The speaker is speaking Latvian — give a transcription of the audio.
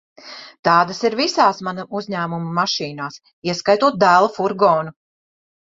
Tādas ir visās mana uzņēmuma mašīnās, ieskaitot dēla furgonu.